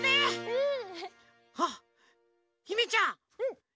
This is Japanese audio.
うん！